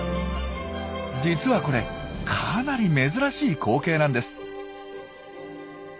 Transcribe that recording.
実はこれかなり珍しい光景なんです。